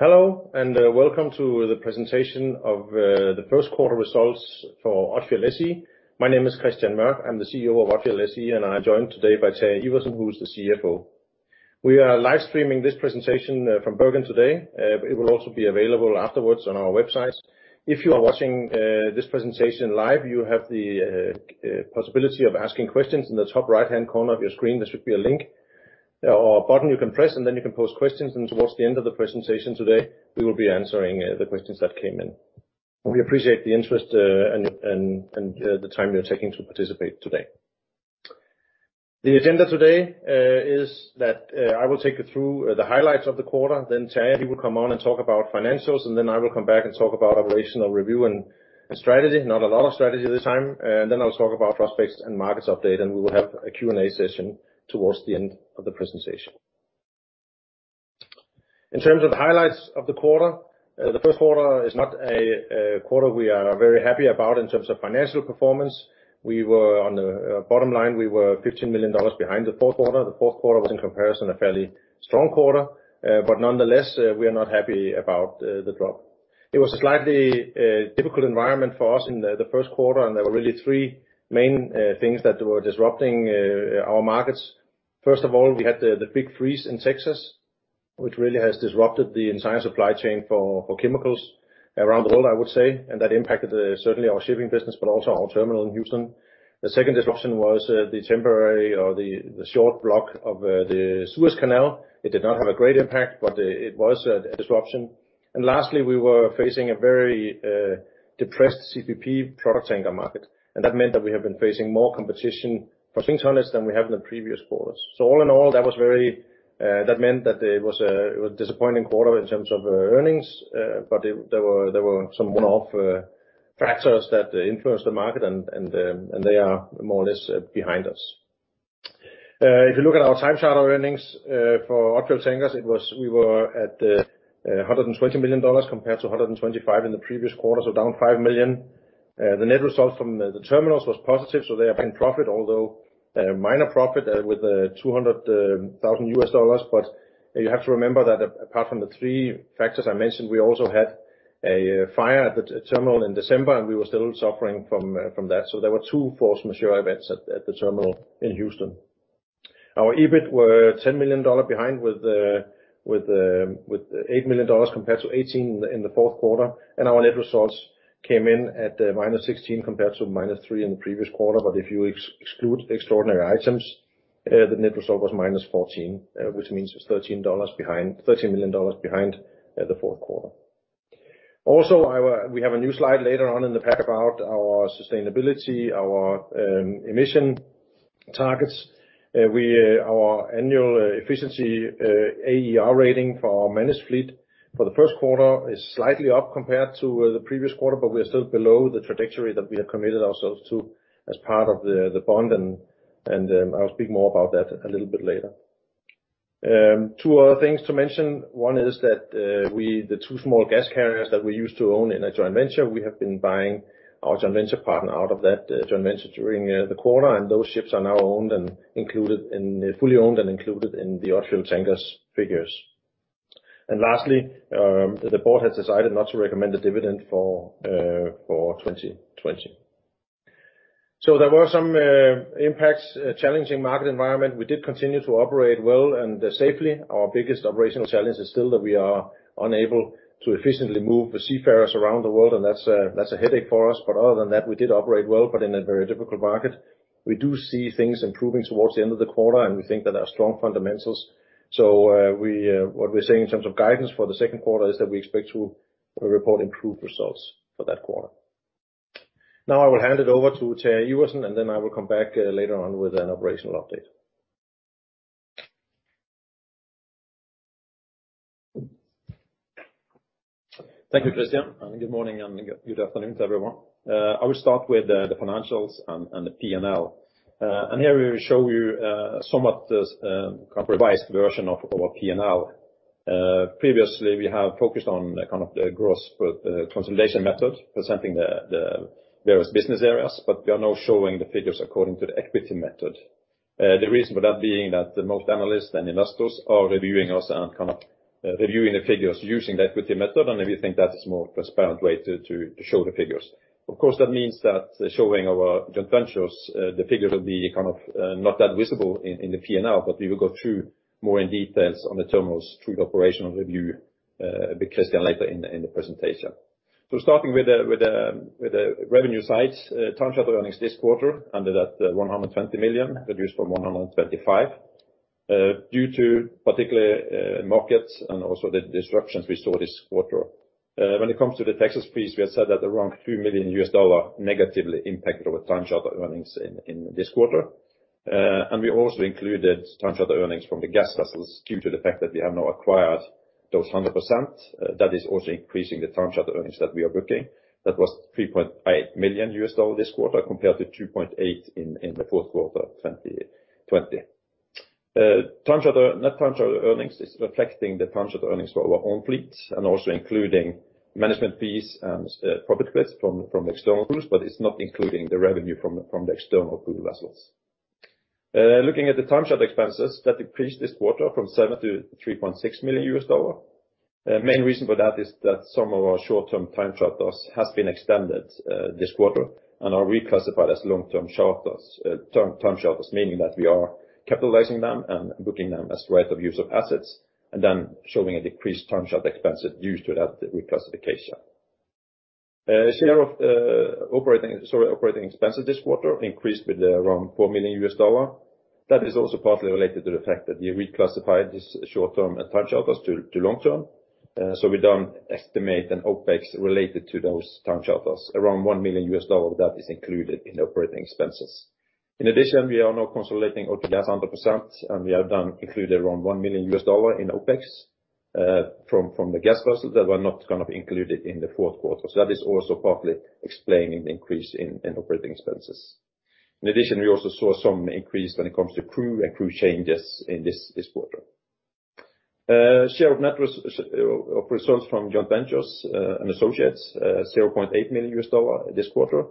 Hello, and welcome to the presentation of the first quarter results for Odfjell SE. My name is Kristian Mørch. I'm the CEO of Odfjell SE, and I'm joined today by Terje Iversen, who's the CFO. We are live streaming this presentation from Bergen today. It will also be available afterwards on our website. If you are watching this presentation live, you have the possibility of asking questions. In the top right-hand corner of your screen, there should be a link or a button you can press, and then you can pose questions, and towards the end of the presentation today, we will be answering the questions that came in. We appreciate the interest and the time you're taking to participate today. The agenda today is that I will take you through the highlights of the quarter. Terje, he will come on and talk about financials. I will come back and talk about operational review and strategy. Not a lot of strategy this time. I'll talk about prospects and markets update. We will have a Q&A session towards the end of the presentation. In terms of highlights of the quarter, the first quarter is not a quarter we are very happy about in terms of financial performance. We were on the bottom line. We were $15 million behind the fourth quarter. The fourth quarter was in comparison, a fairly strong quarter. Nonetheless, we are not happy about the drop. It was a slightly difficult environment for us in the first quarter. There were really three main things that were disrupting our markets. First of all, we had the big freeze in Texas, which really has disrupted the entire supply chain for chemicals around the world, I would say. That impacted certainly our shipping business, but also our terminal in Houston. The second disruption was the temporary or the short block of the Suez Canal. It did not have a great impact, but it was a disruption. Lastly, we were facing a very depressed CPP product tanker market, and that meant that we have been facing more competition for things than we have in the previous quarters. All in all, that meant that it was a disappointing quarter in terms of earnings. There were some one-off factors that influenced the market, and they are more or less behind us. If you look at our time charter earnings for Odfjell Tankers, we were at $120 million compared to $125 million in the previous quarter, down $5 million. The net result from the Terminals was positive, they are in profit, although minor profit with $200,000. You have to remember that apart from the three factors I mentioned, we also had a fire at the Terminal in December, and we were still suffering from that. There were two force majeure events at the Terminal in Houston. Our EBIT were $10 million behind with $8 million compared to $18 million in the fourth quarter. Our net results came in at -$16 million compared to -$3 million in the previous quarter. If you exclude extraordinary items, the net result was -$14 million, which means $13 million behind the fourth quarter. We have a new slide later on in the pack about our sustainability, our emission targets. Our annual efficiency, AER rating for our managed fleet for the first quarter is slightly up compared to the previous quarter. We are still below the trajectory that we have committed ourselves to as part of the bond. I'll speak more about that a little bit later. Two other things to mention. One is that the two small gas carriers that we used to own in a joint venture, we have been buying our joint venture partner out of that joint venture during the quarter. Those ships are now fully owned and included in the Odfjell Tankers figures. Lastly, the board has decided not to recommend a dividend for 2020. There were some impacts, a challenging market environment. We did continue to operate well and safely. Our biggest operational challenge is still that we are unable to efficiently move the seafarers around the world. That's a headache for us. Other than that, we did operate well, but in a very difficult market. We do see things improving towards the end of the quarter. We think that our strong fundamentals. What we're saying in terms of guidance for the second quarter is that we expect to report improved results for that quarter. I will hand it over to Terje Iversen. Then I will come back later on with an operational update. Thank you, Kristian, good morning and good afternoon to everyone. I will start with the financials and the P&L. Here we will show you somewhat this revised version of our P&L. Previously, we have focused on the kind of the gross consolidation method, presenting the various business areas, but we are now showing the figures according to the equity method. The reason for that being that most analysts and investors are reviewing us and kind of reviewing the figures using the equity method, and we think that is a more transparent way to show the figures. Of course, that means that showing our joint ventures, the figures will be kind of not that visible in the P&L, but we will go through more in details on the terminals through the operational review with Kristian later in the presentation. Starting with the revenue side. Time charter earnings this quarter ended at $120 million, reduced from $125 million, due to particular markets and also the disruptions we saw this quarter. When it comes to the Texas freeze, we have said that around $2 million negatively impacted our time charter earnings in this quarter. We also included time charter earnings from the gas vessels due to the fact that we have now acquired those 100%. That is also increasing the time charter earnings that we are booking. That was $3.8 million this quarter compared to $2.8 million in the fourth quarter 2020. Net time charter earnings is reflecting the time charter earnings for our own fleet and also including management fees and profit quotes from external pools, but it's not including the revenue from the external pool vessels. Looking at the time charter expenses that decreased this quarter from $7 million to $3.6 million. Main reason for that is that some of our short-term time charters has been extended this quarter and are reclassified as long-term charters, meaning that we are capitalizing them and booking them as right-of-use assets, and then showing a decreased time charter expense due to that reclassification. Share of operating expenses this quarter increased with around $4 million. We don't estimate an OpEx related to those time charters. Around $1 million that is included in operating expenses. We are now consolidating Odfjell Gas 100%, and we have done include around $1 million in OpEx from the gas vessels that were not included in the fourth quarter. That is also partly explaining the increase in operating expenses. We also saw some increase when it comes to crew and crew changes in this quarter. Share of net results from joint ventures and associates, $0.8 million this quarter.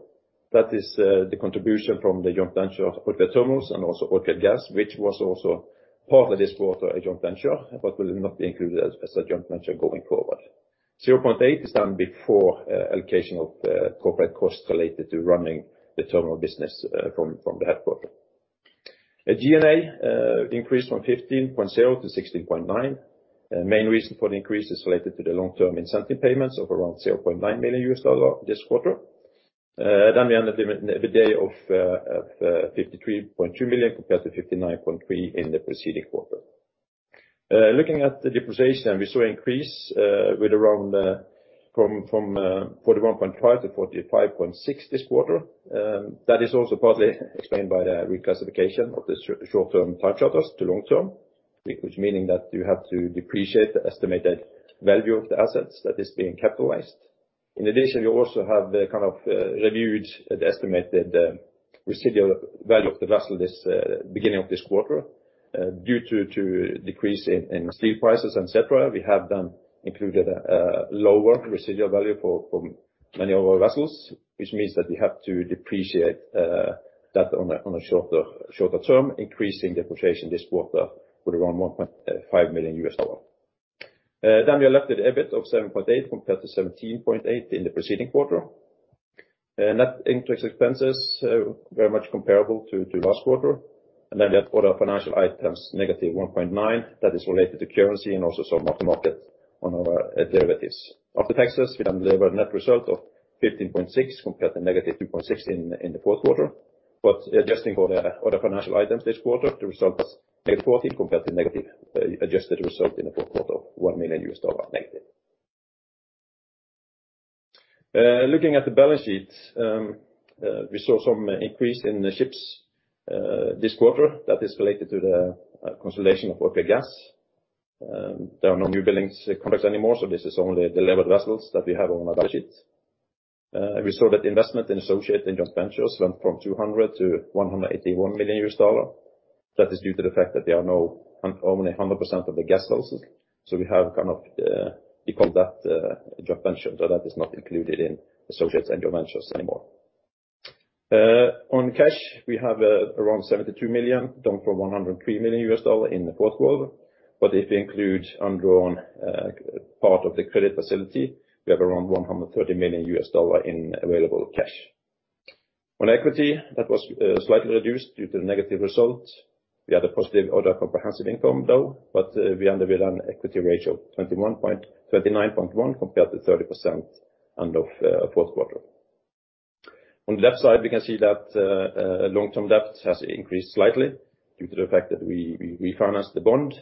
That is the contribution from the joint venture of Odfjell Terminals and also Odfjell Gas, which was also partly this quarter a joint venture but will not be included as a joint venture going forward. $0.8 is done before allocation of corporate costs related to running the terminal business from the headquarter. G&A increased from 15.0 to 16.9. Main reason for the increase is related to the long-term incentive payments of around $0.9 million this quarter. We ended EBITDA $53.2 million compared to $59.3 in the preceding quarter. Looking at the depreciation, we saw increase with around from $41.5 to $45.6 this quarter. That is also partly explained by the reclassification of the short-term time charters to long-term, which means that you have to depreciate the estimated value of the assets that is being capitalized. In addition, you also have reviewed the estimated residual value of the vessel beginning of this quarter. Due to decrease in steel prices, et cetera, we have then included a lower residual value for many of our vessels, which means that we have to depreciate that on a shorter term, increasing depreciation this quarter with around $1.5 million. We are left with EBIT of $7.8 compared to $17.8 in the preceding quarter. Net interest expenses very much comparable to last quarter. The other financial items, -$1.9. That is related to currency and also some mark-to-market on our derivatives. After taxes, we then deliver a net result of $15.6 compared to -$2.16 in the fourth quarter. Adjusting for the other financial items this quarter, the result is -$14 compared to negative adjusted result in the fourth quarter, -$1 million. Looking at the balance sheet. We saw some increase in the ships this quarter that is related to the consolidation of Odfjell Gas. There are no new buildings contracts anymore, so this is only the delivered vessels that we have on our balance sheet. We saw that the investment in associate and joint ventures went from $200 million to $181 million. That is due to the fact that there are now only 100% of the gas vessels. We have de-con that joint venture. That is not included in associates and joint ventures anymore. On cash, we have around $72 million down from $103 million in the fourth quarter. If we include undrawn part of the credit facility, we have around $130 million in available cash. On equity, that was slightly reduced due to negative results. We had a positive other comprehensive income, though, but we end with an equity ratio of 29.1% compared to 30% end of fourth quarter. On the left side, we can see that long-term debt has increased slightly due to the fact that we financed the bond,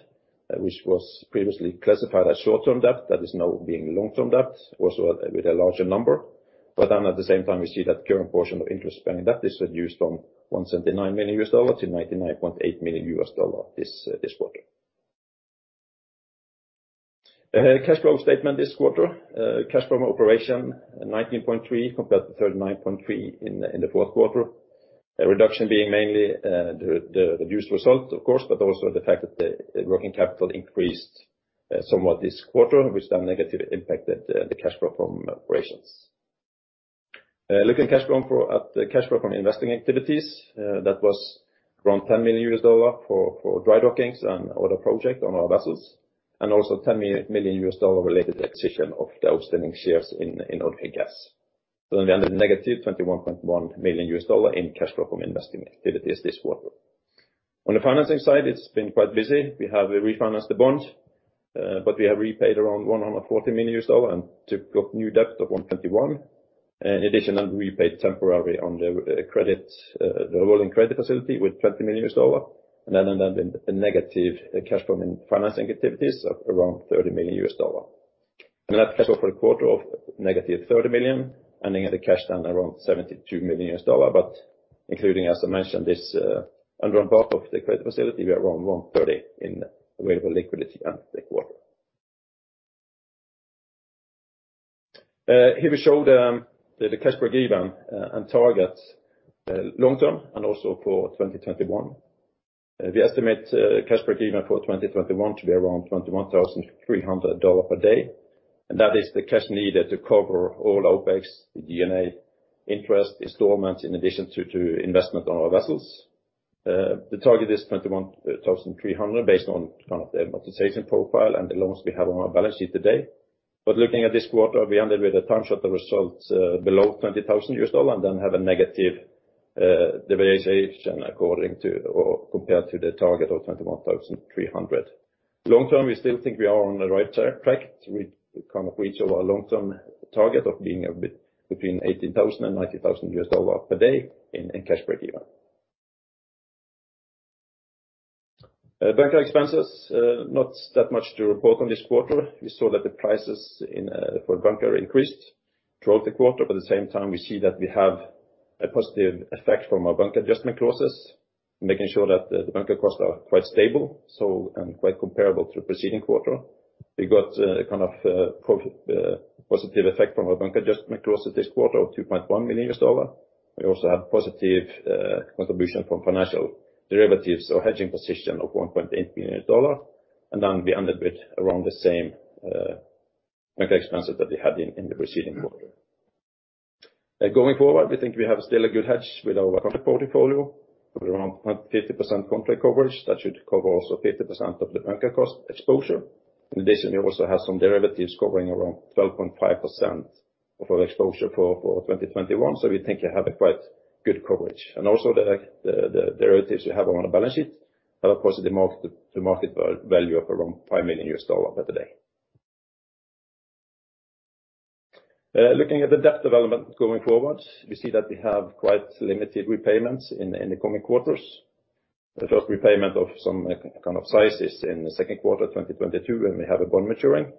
which was previously classified as short-term debt, that is now being long-term debt, also with a larger number. At the same time, we see that current portion of interest-bearing debt is reduced from $179 million to $99.8 million this quarter. Cash flow statement this quarter. Cash flow operation $19.3 compared to $39.3 in the fourth quarter. A reduction being mainly the reduced result, of course, but also the fact that the working capital increased somewhat this quarter, which then negatively impacted the cash flow from operations. Looking at the cash flow from investing activities, that was around $10 million for dry dockings and other project on our vessels, and also $10 million related to acquisition of the outstanding shares in Odfjell Gas. We ended -$21.1 million in cash flow from investing activities this quarter. On the financing side, it's been quite busy. We have refinanced the bond, but we have repaid around $140 million and took up new debt of $121. In addition, repaid temporarily on the rolling credit facility with $20 million, and that ended up being a negative cash flow in financing activities of around $30 million. Net cash flow for the quarter of -$30 million, ending with a cash down around $72 million. Including, as I mentioned, this undrawn part of the credit facility, we are around $130 in available liquidity at the quarter. Here we show the cash per GIBAN and targets long-term and also for 2021. We estimate cash per GIBAN for 2021 to be around $21,300 per day. That is the cash needed to cover all OpEx, the D&A interest installment in addition to investment on our vessels. The target is $21,300 based on kind of the amortization profile and the loans we have on our balance sheet today. Looking at this quarter, we ended with a time charter result below $20,000 and then have a negative deviation according to, or compared to the target of $21,300. Long term, we still think we are on the right track to kind of reach our long-term target of being between $18,000 and $19,000 per day in cash break-even. Bunker expenses, not that much to report on this quarter. We saw that the prices for bunker increased throughout the quarter, but at the same time, we see that we have a positive effect from our bunker adjustment clauses, making sure that the bunker costs are quite stable and quite comparable to the preceding quarter. We got a kind of positive effect from our bunker adjustment clauses this quarter of $2.1 million. We also had positive contribution from financial derivatives or hedging position of $1.8 million. We ended with around the same bunker expenses that we had in the preceding quarter. Going forward, we think we have still a good hedge with our product portfolio of around 50% contract coverage. That should cover also 50% of the bunker cost exposure. In addition, we also have some derivatives covering around 12.5% of our exposure for 2021. We think we have a quite good coverage. Also the derivatives we have on our balance sheet have a positive market value of around $5 million per today. Looking at the debt development going forward, we see that we have quite limited repayments in the coming quarters. The first repayment of some kind of size is in the second quarter of 2022 when we have a bond maturing.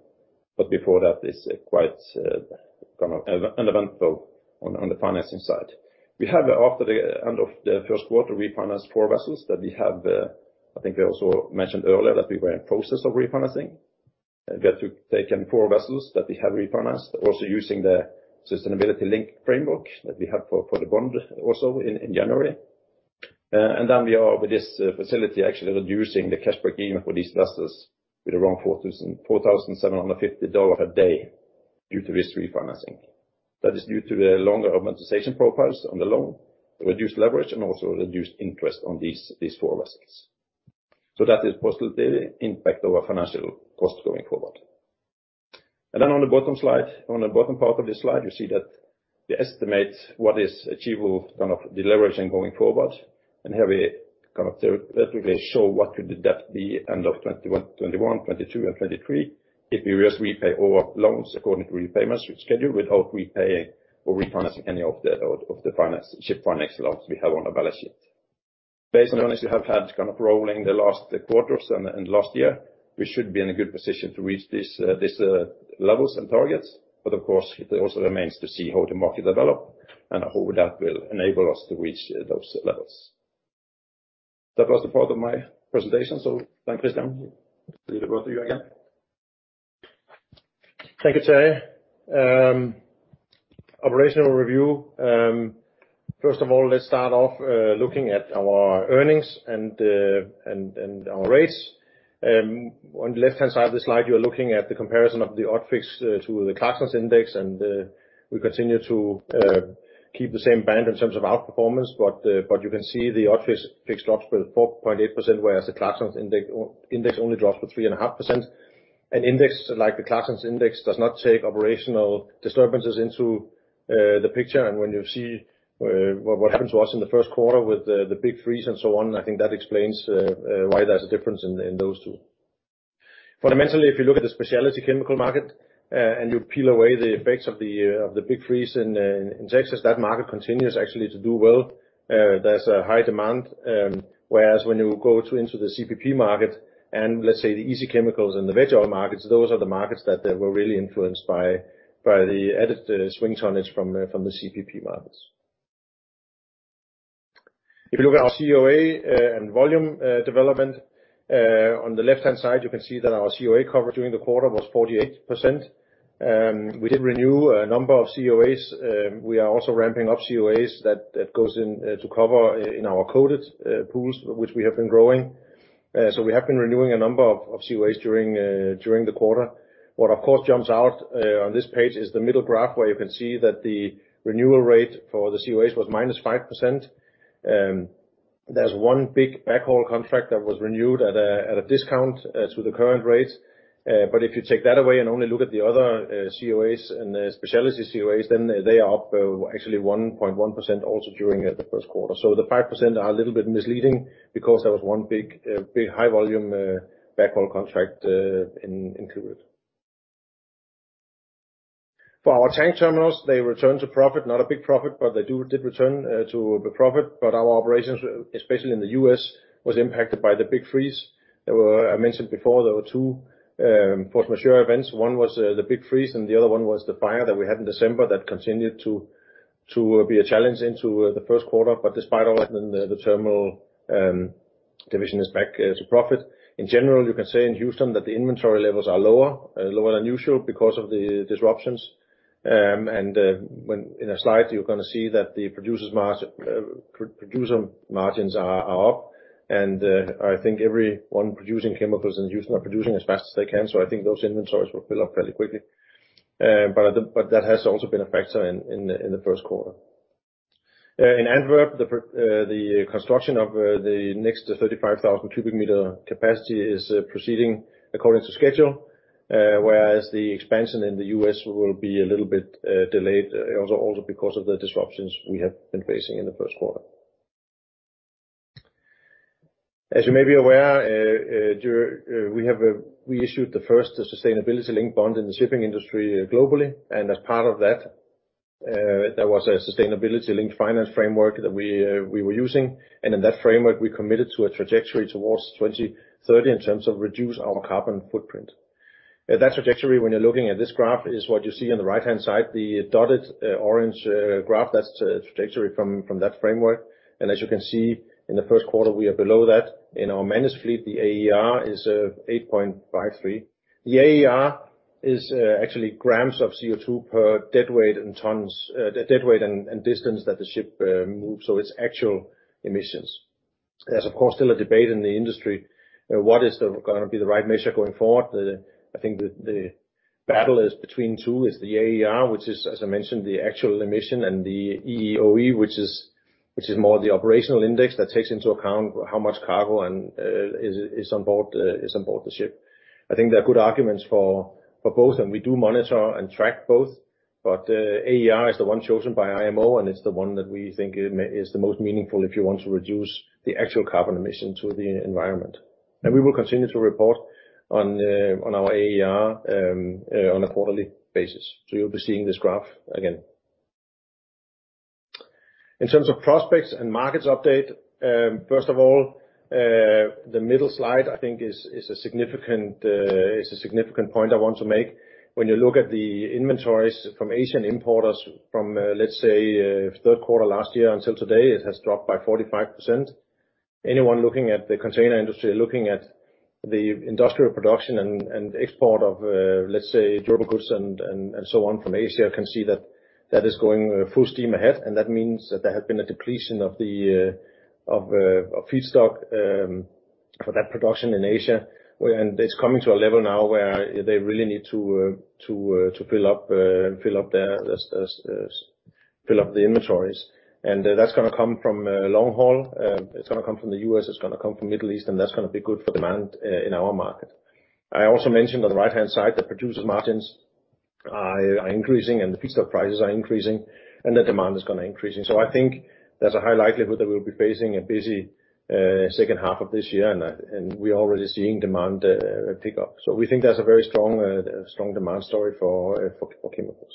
Before that is quite uneventful on the financing side. We have, after the end of the first quarter, refinanced four vessels that we have, I think we also mentioned earlier that we were in process of refinancing, also using the sustainability-linked framework that we had for the bond also in January. We are with this facility actually reducing the cash break-even for these vessels with around $4,750 a day due to this refinancing. That is due to the longer amortization profiles on the loan, the reduced leverage and also reduced interest on these four vessels. That is positive impact of our financial cost going forward. On the bottom part of this slide, you see that we estimate what is achievable kind of deleveraging going forward. Here we kind of theoretically show what could the debt be end of 2021, 2022 and 2023 if we just repay our loans according to repayment schedule without repaying or refinancing any of the ship finance loans we have on our balance sheet. Based on this, we have had kind of rolling the last quarters and last year, we should be in a good position to reach these levels and targets. Of course, it also remains to see how the market develop and how that will enable us to reach those levels. That was the part of my presentation. Thanks, Kristian. I leave it over to you again. Thank you, Terje. Operational review. First of all, let's start off looking at our earnings and our rates. On the left-hand side of the slide, you are looking at the comparison of the Odfjell to the Clarksons Index, and we continue to keep the same band in terms of outperformance, but you can see the Odfjell fixed drops with 4.8%, whereas the Clarksons Index only drops with 3.5%. An index like the Clarksons Index does not take operational disturbances into the picture and when you see what happened to us in the first quarter with the big freeze and so on, I think that explains why there's a difference in those two. Fundamentally, if you look at the specialty chemical market and you peel away the effects of the big freeze in Texas, that market continues actually to do well. There's a high demand, whereas when you go into the CPP market and let's say the easy chemicals and the veg oil markets, those are the markets that were really influenced by the added swing tonnage from the CPP markets. If you look at our COA and volume development, on the left-hand side, you can see that our COA coverage during the quarter was 48%. We did renew a number of COAs. We are also ramping up COAs that goes in to cover in our coded pools which we have been growing. We have been renewing a number of COAs during the quarter. What of course jumps out on this page is the middle graph where you can see that the renewal rate for the COAs was -5%. There's one big backhaul contract that was renewed at a discount to the current rates. If you take that away and only look at the other COAs and the speciality COAs, then they are up actually 1.1% also during the first quarter. The 5% are a little bit misleading because there was one big high volume backhaul contract included. For our Tank Terminals, they return to profit, not a big profit, but they did return to profit. Our operations, especially in the U.S., was impacted by the big freeze. I mentioned before there were two force majeure events. One was the big freeze and the other one was the fire that we had in December that continued to be a challenge into the first quarter. Despite all that, the Terminals division is back to profit. In general, you can say in Houston that the inventory levels are lower than usual because of the disruptions. In a slide, you're going to see that the producer margins are up, and I think everyone producing chemicals in Houston are producing as fast as they can. I think those inventories will fill up fairly quickly. That has also been a factor in the first quarter. In Antwerp, the construction of the next 35,000 cubic meter capacity is proceeding according to schedule, whereas the expansion in the U.S. will be a little bit delayed, also because of the disruptions we have been facing in the first quarter. As you may be aware, we issued the first sustainability-linked bond in the shipping industry globally, and as part of that, there was a sustainability-linked finance framework that we were using. In that framework, we committed to a trajectory towards 2030 in terms of reduce our carbon footprint. That trajectory, when you're looking at this graph, is what you see on the right-hand side, the dotted orange graph. That's the trajectory from that framework. As you can see, in the first quarter, we are below that. In our managed fleet, the AER is 8.53. The AER is actually grams of CO2 per deadweight and distance that the ship moves, so its actual emissions. There's, of course, still a debate in the industry, what is going to be the right measure going forward. I think the battle is between two is the AER, which is, as I mentioned, the actual emission and the EEOI which is more the operational index that takes into account how much cargo is on board the ship. I think there are good arguments for both, and we do monitor and track both. AER is the one chosen by IMO, and it's the one that we think is the most meaningful if you want to reduce the actual carbon emission to the environment. We will continue to report on our AER on a quarterly basis. You'll be seeing this graph again. In terms of prospects and markets update. First of all, the middle slide, I think is a significant point I want to make. When you look at the inventories from Asian importers from, let's say, third quarter last year until today, it has dropped by 45%. Anyone looking at the container industry, looking at the industrial production and export of, let's say, durable goods and so on from Asia can see that that is going full steam ahead. That means that there has been a depletion of feedstock for that production in Asia. It's coming to a level now where they really need to fill up the inventories. That's going to come from long haul. It's going to come from the U.S., it's going to come from Middle East, and that's going to be good for demand in our market. I also mentioned on the right-hand side, the producer margins are increasing and the feedstock prices are increasing and the demand is going to increase. I think there's a high likelihood that we'll be facing a busy second half of this year, and we're already seeing demand pick up. We think there's a very strong demand story for chemicals.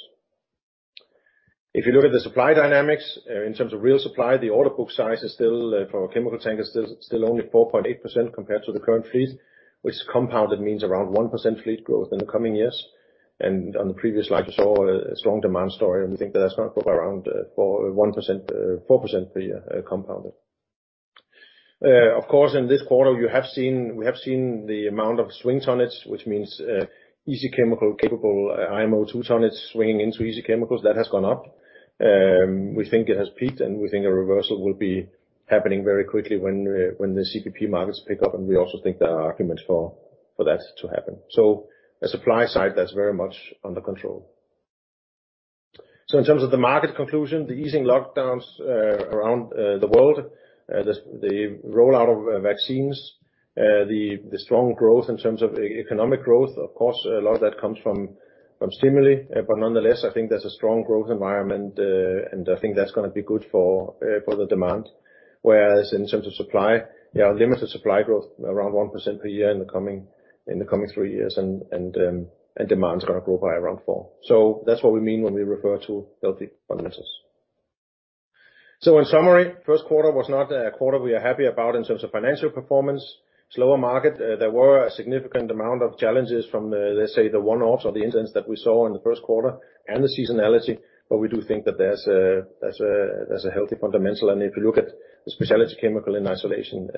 If you look at the supply dynamics in terms of real supply, the order book size for chemical tankers is still only 4.8% compared to the current fleet, which compounded means around 1% fleet growth in the coming years. On the previous slide, you saw a strong demand story, and we think that that's going to grow by around 4% per year compounded. Of course, in this quarter, we have seen the amount of swing tonnage, which means easy chemical capable IMO 2 tonnage swinging into easy chemicals. That has gone up. We think it has peaked, and we think a reversal will be happening very quickly when the CPP markets pick up. We also think there are arguments for that to happen. The supply side, that's very much under control. In terms of the market conclusion, the easing lockdowns around the world, the rollout of vaccines, the strong growth in terms of economic growth. Of course, a lot of that comes from stimuli. Nonetheless, I think there's a strong growth environment, and I think that's going to be good for the demand. In terms of supply, there are limited supply growth around 1% per year in the coming three years, and demand is going to grow by around 4%. That's what we mean when we refer to healthy fundamentals. In summary, first quarter was not a quarter we are happy about in terms of financial performance, slower market. There were a significant amount of challenges from, let's say, the one-offs or the incidents that we saw in the first quarter and the seasonality. We do think that there's a healthy fundamental. If you look at the specialty chemical in isolation,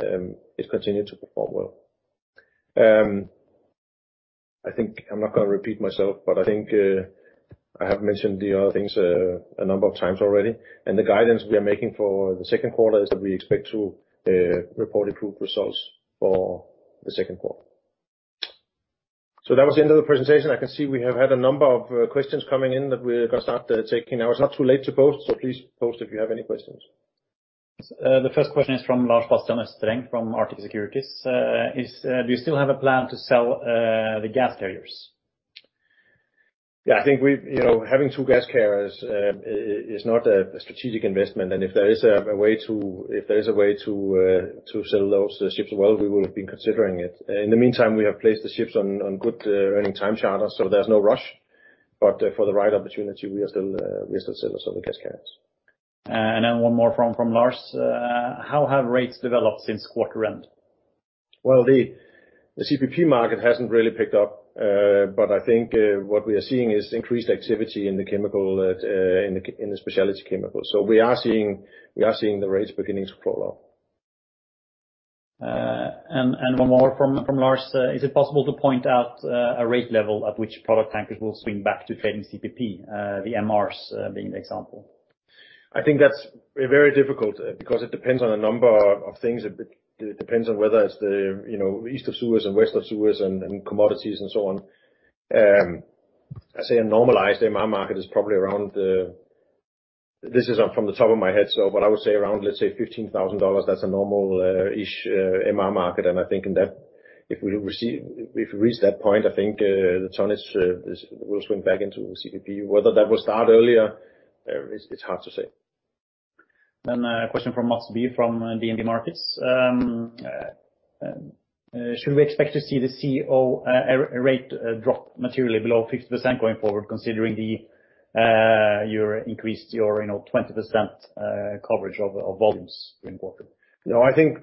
it continued to perform well. I think I'm not going to repeat myself, but I think I have mentioned the other things a number of times already. The guidance we are making for the second quarter is that we expect to report improved results for the second quarter. That was the end of the presentation. I can see we have had a number of questions coming in that we're going to start taking now. It's not too late to post, please post if you have any questions. The first question is from Lars Bastian Østereng from Arctic Securities. Do you still have a plan to sell the gas carriers? Yeah, I think having two gas carriers is not a strategic investment. If there is a way to sell those ships, well, we will be considering it. In the meantime, we have placed the ships on good earning time charters, so there's no rush. For the right opportunity, we are still sellers of the gas carriers. One more from Lars. How have rates developed since quarter end? Well, the CPP market hasn't really picked up. I think what we are seeing is increased activity in the specialty chemicals. We are seeing the rates beginning to crawl up. One more from Lars: Is it possible to point out a rate level at which product tankers will swing back to trading CPP, the MRs being the example? I think that's very difficult because it depends on a number of things. It depends on whether it's the East of Suez and West of Suez and commodities and so on. I say a normalized MR market is probably around, this is from the top of my head, so what I would say around, let's say $15,000. That's a normal-ish MR market. I think if we've reached that point, I think the tonnage will swing back into CPP. Whether that will start earlier, it's hard to say. A question from Mads V. from DNB Markets. Should we expect to see the CO rate drop materially below 50% going forward considering you increased your 20% coverage of volumes in quarter? I think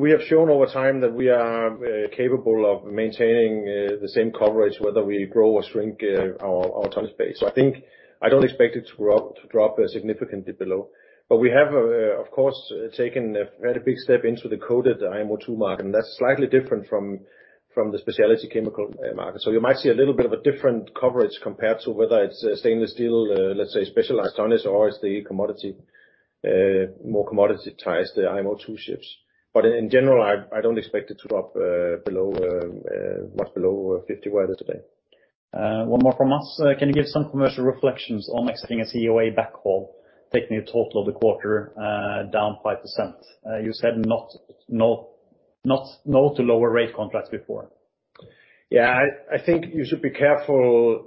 we have shown over time that we are capable of maintaining the same coverage whether we grow or shrink our tonnage base. I don't expect it to drop significantly below. We have, of course, taken a very big step into the coated IMO2 market, and that's slightly different from the specialty chemical market. You might see a little bit of a different coverage compared to whether it's stainless steel, let's say, specialized tonnage or it's the more commodity ties the IMO2 ships. In general, I don't expect it to drop much below 50 where it is today. One more from us. Can you give some commercial reflections on executing a COA backhaul, taking a total of the quarter down 5%? You said no to lower rate contracts before. Yeah, I think you should be careful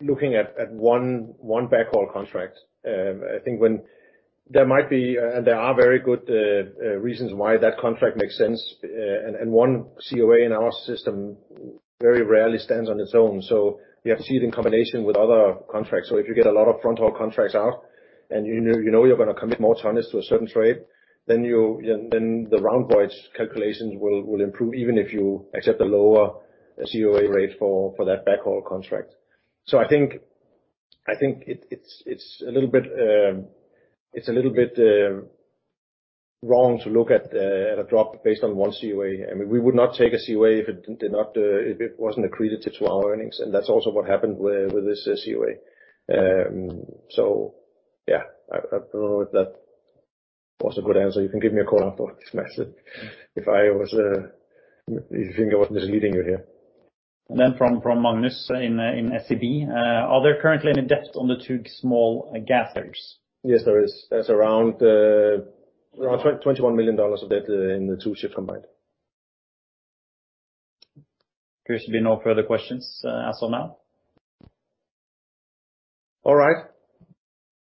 looking at one backhaul contract. There are very good reasons why that contract makes sense, and one COA in our system very rarely stands on its own. You have to see it in combination with other contracts. If you get a lot of front haul contracts out and you know you're going to commit more tonnage to a certain trade, then the round voyage calculations will improve even if you accept a lower COA rate for that backhaul contract. I think it's a little bit wrong to look at a drop based on one COA. We would not take a COA if it wasn't accretive to our earnings, and that's also what happened with this COA. Yeah. I don't know if that was a good answer. You can give me a call after this, Mads, if you think I was misleading you here. From Magnus in SEB. Are there currently any debt on the two small gas carriers? Yes, there is. There's around $21 million of debt in the two ships combined. Appears to be no further questions as of now. All right.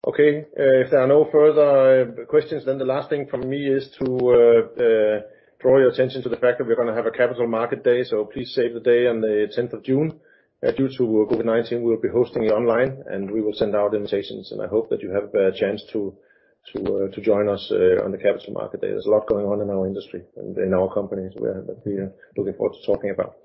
Okay. If there are no further questions, the last thing from me is to draw your attention to the fact that we're going to have a Capital Markets Day. Please save the day on the 10th of June. Due to COVID-19, we'll be hosting it online, and we will send out invitations. I hope that you have a chance to join us on the Capital Markets Day. There's a lot going on in our industry and in our company that we are looking forward to talking about.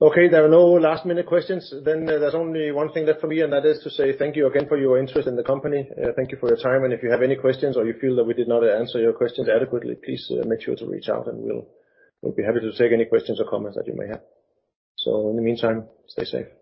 Okay, there are no last-minute questions. There's only one thing left for me, and that is to say thank you again for your interest in the company. Thank you for your time. If you have any questions or you feel that we did not answer your questions adequately, please make sure to reach out, and we'll be happy to take any questions or comments that you may have. In the meantime, stay safe.